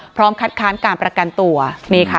พร้อมคัดค้านการประกันตัวนี่ค่ะ